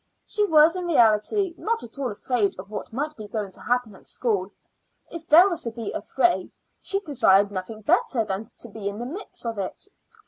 She was in reality not at all afraid of what might be going to happen at school. If there was to be a fray, she desired nothing better than to be in the midst of it.